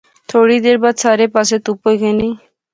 تھوڑی دیر بعد سارے پاسے تہوپ ہوئی غئی